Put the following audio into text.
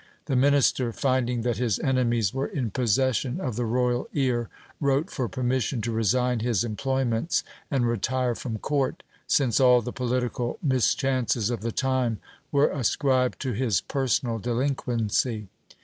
The minister, finding that his enemies were in possession of the royal ear, wrote for permission to resign his employments, and retire from court, since all the political mis chances of the time were ascribed to his personal delinquency.